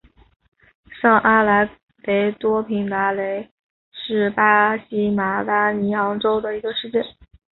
上阿莱格雷多平达雷是巴西马拉尼昂州的一个市镇。